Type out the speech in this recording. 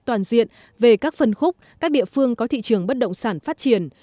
toàn diện về các phân khúc các địa phương có thị trường bất động sản phát triển